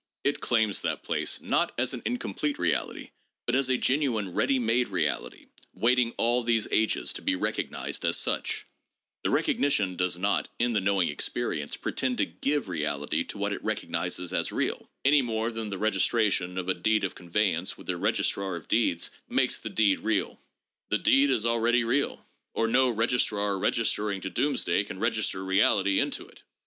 It claims that place, not as an incomplete reality, but as a genuine ready made reality, waiting all these ages to be recognized as such. The recognition does not, in the knowing experience, pretend to give reality to what it recognizes as real, any more •Dr. Helen Bradford Thompson, in Studies in Logical Theory, p. 126. 276 THE PHILOSOPHICAL REVIEW. [Vol. XVI. than the registration of a deed of conveyance with the registrar of deeds makes the deed real. The deed is already real, or no registrar registering to doomsday can register reality into it.